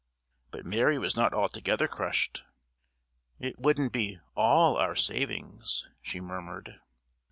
But Mary was not altogether crushed. "It wouldn't be all our savings," she murmured.